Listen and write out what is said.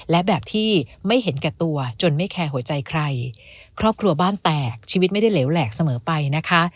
และแบบที่ไม่เห็นแก่ตัวจนไม่แคร์หัวใจใครครอบครัวบ้านแตกชีวิตไม่ได้เหลวแหลกเสมอไปนะคะ